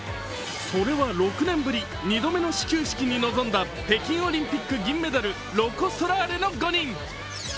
それは６年ぶり２度目の始球式に臨んだ北京オリンピック銀メダルロコ・ソラーレの５人。